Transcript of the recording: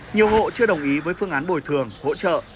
nhiều hộ chưa đồng ý với phương án bồi thường hỗ trợ